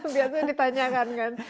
biasa ditanyakan kan